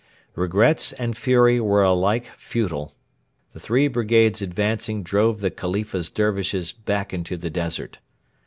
Regrets and fury were alike futile. The three brigades advancing drove the Khalifa's Dervishes back into the desert.